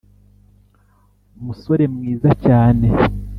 musore mwiza cyane